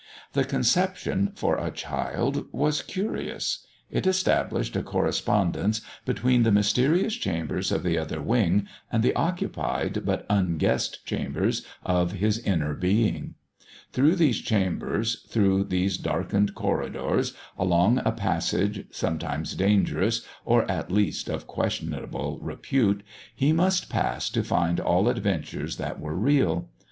The conception, for a child, was curious. It established a correspondence between the mysterious chambers of the Other Wing and the occupied, but unguessed chambers of his Inner Being. Through these chambers, through these darkened corridors, along a passage, sometimes dangerous, or at least of questionable repute, he must pass to find all adventures that were real.